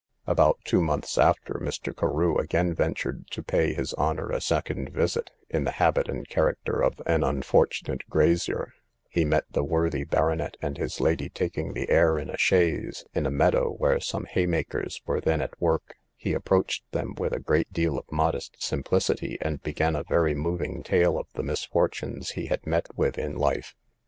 About two months after, Mr. Carew again ventured to pay his honour a second visit, in the habit and character of an unfortunate grazier; he met the worthy baronet and his lady taking the air in a chaise, in a meadow where some haymakers were then at work; he approached them with a great deal of modest simplicity, and began a very moving tale of the misfortunes he had met with in life.